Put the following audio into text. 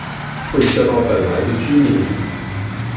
會嚇到本來的居民